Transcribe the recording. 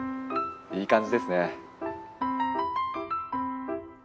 いい感じですね。